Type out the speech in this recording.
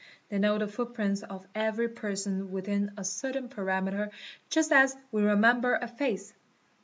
'They know the footprints of every person within a certain perimeter just 'as we remember a face.